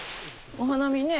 お花見ね。